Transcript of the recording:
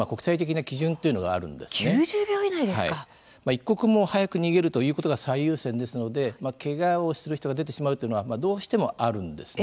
まあ一刻も早く逃げるということが最優先ですのでまあけがをする人が出てしまうというのはどうしてもあるんですね。